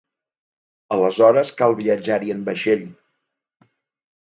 Aleshores cal viatjar-hi en vaixell.